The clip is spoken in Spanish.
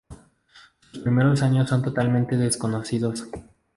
Sus primeros años son totalmente desconocidos.